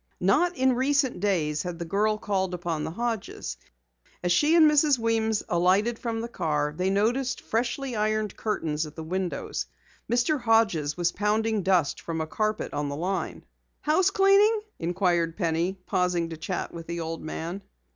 Not in recent days had the girl called upon the Hodges. As she and Mrs. Weems alighted from the car, they both noticed freshly ironed curtains at the windows. Mr. Hodges was pounding dust from a carpet on the line. "Housecleaning?" inquired Penny, pausing to chat with the old man.